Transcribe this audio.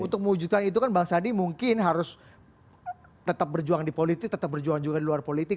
untuk mewujudkan itu kan bang sandi mungkin harus tetap berjuang di politik tetap berjuang juga di luar politik